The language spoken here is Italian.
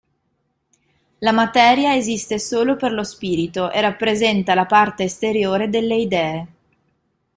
La materia esiste solo per lo spirito, e rappresenta la parte esteriore delle idee.